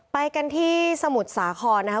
ไปกันที่สมุทรสาครนะครับ